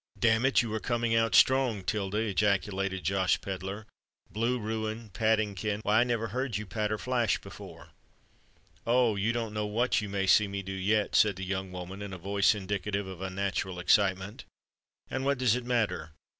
"Damn it! you are coming out strong, Tilda!" ejaculated Josh Pedler. "Blue ruin—padding ken—why, I never heard you patter flash before." "Oh! you don't know what you may see me do yet," said the young woman, in a voice indicative of unnatural excitement. "And what does it matter?